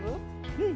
うん！